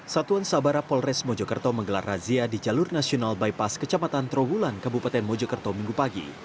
satuan sabara polres mojokerto menggelar razia di jalur nasional bypass kecamatan trawulan kabupaten mojokerto minggu pagi